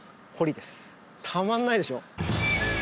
たまんないでしょ。